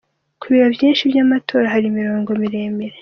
Ku biro vyinshi vy’amatora, hari imirongo miremire.